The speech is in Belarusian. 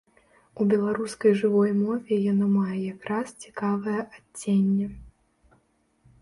У беларускай жывой мове яно мае якраз цікавае адценне.